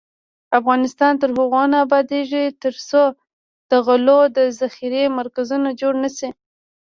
افغانستان تر هغو نه ابادیږي، ترڅو د غلو د ذخیرې مرکزونه جوړ نشي.